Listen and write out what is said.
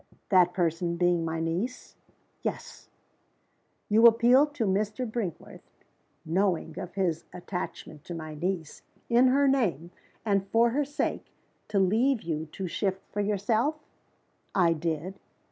"That person being my niece?" "Yes." "You appealed to Mr. Brinkworth (knowing of his attachment to my niece), in her name, and for her sake, to leave you to shift for yourself?" "I did."